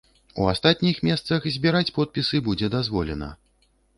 У астатніх месцах збіраць подпісы будзе дазволена.